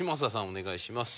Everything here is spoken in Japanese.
お願いします。